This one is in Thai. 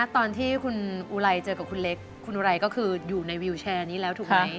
ตอนที่คุณอุไรเจอกับคุณเล็กคุณอุไรก็คืออยู่ในวิวแชร์นี้แล้วถูกไหม